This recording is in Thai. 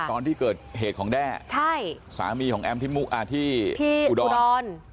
ตอนที่เกิดเหตุของแด้ใช่สามีของแอมที่มุกที่อุดร